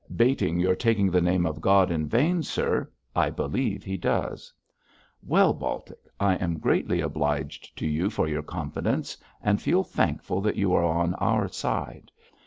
'Bating your taking the name of God in vain, sir, I believe he does.' 'Well, Baltic, I am greatly obliged to you for your confidence, and feel thankful that you are on our side.